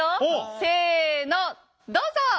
せのどうぞ！